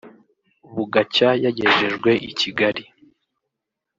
bugacya yagejejwe i Kigali